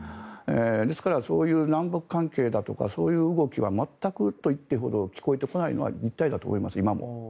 ですから、そういう南北関係だとか、そういう動きは全くと言っていいほど聞こえてこないのが実態だと思います、今も。